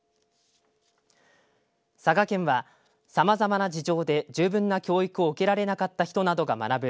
佐賀県はさまざまな事情で十分な教育を受けられなかった人などが学ぶ